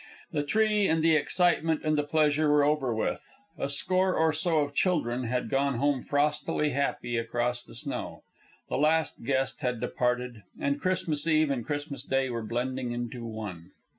The tree and the excitement and the pleasure were over with, a score or so of children had gone home frostily happy across the snow, the last guest had departed, and Christmas Eve and Christmas Day were blending into one.